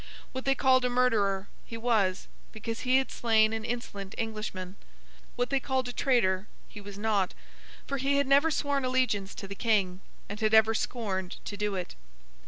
What they called a murderer, he was, because he had slain an insolent Englishman. What they called a traitor, he was not, for he had never sworn allegiance to the King, and had ever scorned to do it.